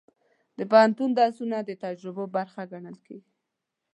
د پوهنتون درسونه د تجربو برخه ګڼل کېږي.